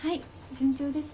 順調ですね。